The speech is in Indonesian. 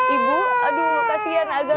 ibu aduh kasian azam